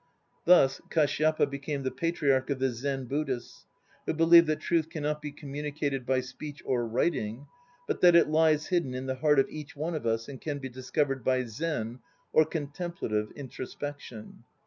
Thus Kashyapa became the patriarch of the Zen Buddhists, who believe that Truth cannot be communicated by speech or writing, but that it lies hidden in the heart of each one of us and can be discovered by "Zen" or contemplative introspection.